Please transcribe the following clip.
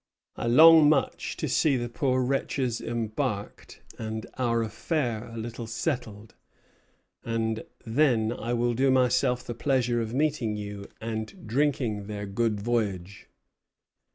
I long much to see the poor wretches embarked and our affair a little settled; and then I will do myself the pleasure of meeting you and drinking their good voyage."